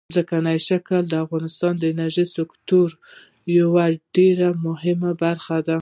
ځمکنی شکل د افغانستان د انرژۍ سکتور یوه ډېره مهمه برخه ده.